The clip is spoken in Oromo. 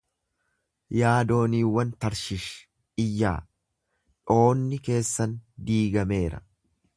Yaa dooniiwwan Tarshish iyyaa, dhoonni keessan diigameera.